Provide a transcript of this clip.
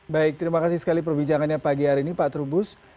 baik terima kasih sekali perbincangannya pagi hari ini pak trubus